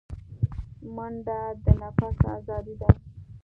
منډه د نفس آزادي ده